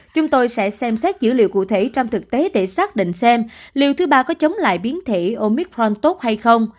chúng tôi sẽ xem xét dữ liệu cụ thể trong thực tế để xác định xem liệu thứ ba có chống lại biến thể omicront tốt hay không